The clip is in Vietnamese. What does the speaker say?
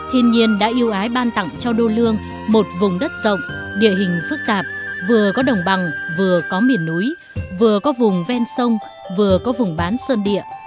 thiên nhiên đã yêu ái ban tặng cho đô lương một vùng đất rộng địa hình phức tạp vừa có đồng bằng vừa có miền núi vừa có vùng ven sông vừa có vùng bán sơn địa